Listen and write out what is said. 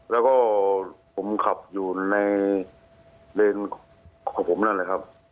แล้วก็ผมขับอยู่ในเลนของผมนั่นแหละครับ